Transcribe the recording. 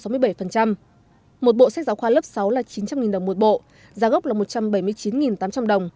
một bộ sách giáo khoa lớp sáu là chín trăm linh đồng một bộ giá gốc là một trăm bảy mươi chín tám trăm linh đồng